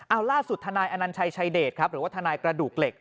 อ้าวล่าสุดถอชายเดตหรือว่าถกระดูกเหล็ก